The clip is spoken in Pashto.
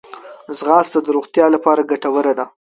ځغاسته د روغتیا لپاره ګټوره ده